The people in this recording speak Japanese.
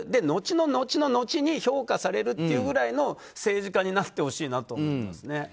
後の後の後に評価されるっていうくらいの政治家になってほしいなと思いますね。